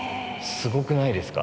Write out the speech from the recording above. すごくないですか？